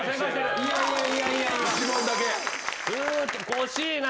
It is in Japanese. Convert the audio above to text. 惜しいな。